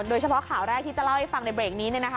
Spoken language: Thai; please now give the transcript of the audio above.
โดยเฉพาะข่าวแรกที่จะเล่าให้ฟังในเบรกนี้นะคะ